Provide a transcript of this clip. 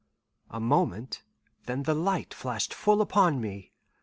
A moment, then the light flashed full upon me.